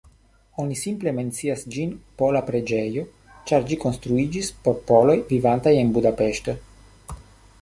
Oni simple mencias ĝin "pola preĝejo", ĉar ĝi konstruiĝis por poloj vivantaj en Budapeŝto.